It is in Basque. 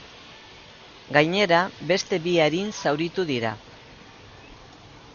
Gainera, beste bi arin zauritu dira.